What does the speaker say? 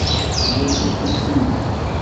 Ssedrem aselkim-nni.